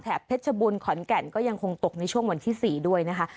เพชรบูรณขอนแก่นก็ยังคงตกในช่วงวันที่๔ด้วยนะคะ